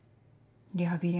リハビリ